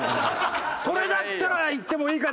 それだったらいってもいいかな。